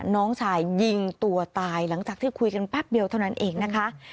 น้องชายยิงตัวตายหลังจากที่คุยกันแป๊บเดียวเท่านั้นเองนะคะ